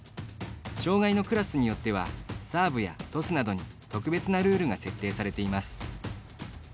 障がいのクラスによってはサーブやトスなどに特別なルールが設定されています。